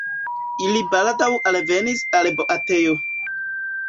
Ili baldaŭ alvenis al boatejo.